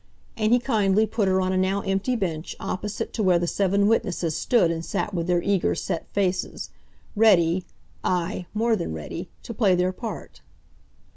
And he kindly put her on a now empty bench opposite to where the seven witnesses stood and sat with their eager, set faces, ready—aye, more than ready—to play their part.